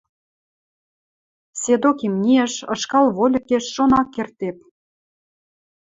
Седок имниэш, ышкал вольыкеш шон ак кердеп.